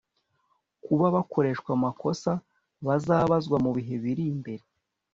kuba bakoreshwa amakosa bazabazwa mu bihe biri imbere